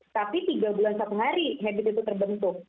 tapi tiga bulan satu hari habit itu terbentuk